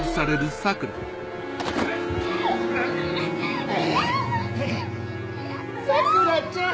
さくらちゃん。